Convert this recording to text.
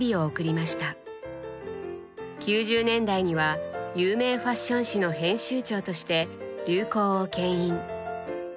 ９０年代には有名ファッション誌の編集長として流行をけん引。